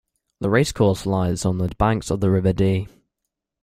The racecourse lies on the banks of the River Dee.